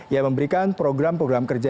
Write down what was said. yang memberikan program program kerja